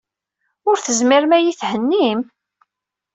Ur tezmirem ad iyi-thennim?